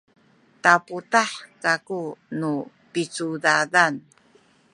taputah kaku nu picudadan